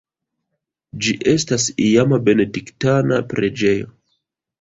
Ĝi estas iama benediktana preĝejo.